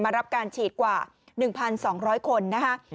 รับการฉีดกว่า๑๒๐๐คนนะคะ